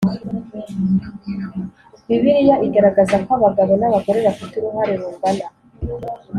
Bibiliya igaragaza ko abagabo n abagore bafite uruhare rungana